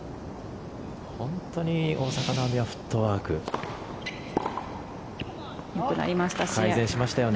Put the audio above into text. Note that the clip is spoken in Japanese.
本当に大坂なおみはフットワーク改善しましたよね。